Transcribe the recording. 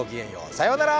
さようなら。